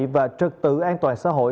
và trật tự an toàn xã hội